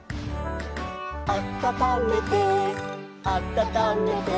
「あたためてあたためて」